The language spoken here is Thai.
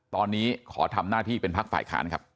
ตอนนี้ขอทำหน้าที่เป็นพักฝ่ายค้านครับ